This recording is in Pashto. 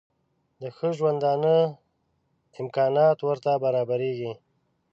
د ښه ژوندانه امکانات ورته برابرېږي.